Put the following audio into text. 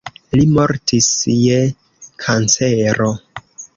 Li mortis je kancero.